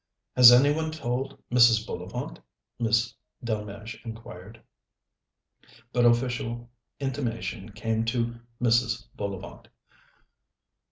"Has any one told Mrs. Bullivant?" Miss Delmege inquired. But official intimation came to Mrs. Bullivant.